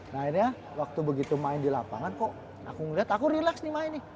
nah akhirnya waktu begitu main di lapangan kok aku ngelihat aku relax nih main nih